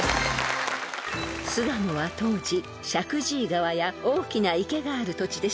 ［巣鴨は当時石神井川や大きな池がある土地でした］